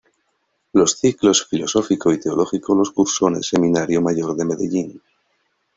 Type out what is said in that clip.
Los ciclos filosófico y teológico los cursó en el Seminario Mayor de Medellín.